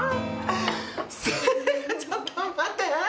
ちょっと待って。